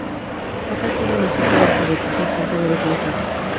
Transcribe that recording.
Catar tiene una cifra de alfabetización cada vez más alta.